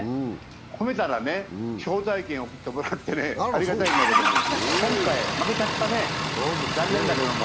褒めたら招待券を送ってもらってありがたいんだけど、今回、負けちゃったね、残念だけれども。